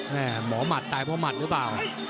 หมอหมัดตายเพราะหมัดหรือเปล่า